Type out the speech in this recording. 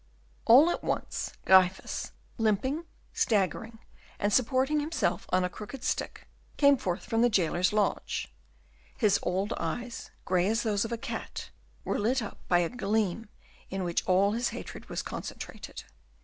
All at once, Gryphus, limping, staggering, and supporting himself on a crooked stick, came forth from the jailer's lodge; his old eyes, gray as those of a cat, were lit up by a gleam in which all his hatred was concentrated.